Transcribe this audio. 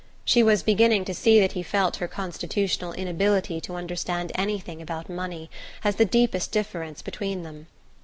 She was beginning to see that he felt her constitutional inability to understand anything about money as the deepest difference between them.